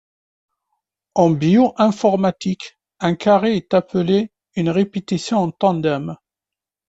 En bio-informatique, un carré est appelé une répétition en tandem.